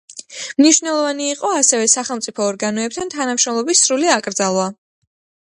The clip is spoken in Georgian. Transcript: მნიშვნელოვანი იყო ასევე სახელმწიფო ორგანოებთან თანამშრომლობის სრული აკრძალვა.